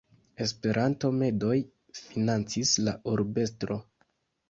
Esperanto-medoj financis la Urbestro.